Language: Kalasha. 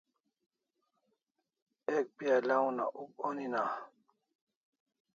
Ek piala una uk oni na